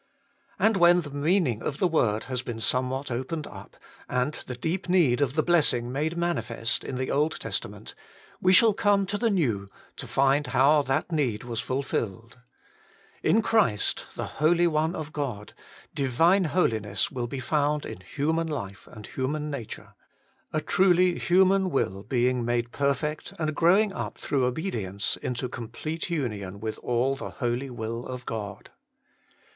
And when the meaning of the word has been somewhat opened up, and the deep need of the blessing made manifest in the Old Testament, we shall come to the New to find how that need was fulfilled. In Christ, the Holy One of God, Divine Holiness will be found in human life and human nature ; a truly human will being made perfect and growing up through obedience into complete union with all the Holy Will of God.